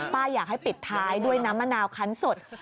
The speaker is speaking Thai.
อยากให้ปิดท้ายด้วยน้ำมะนาวคันสด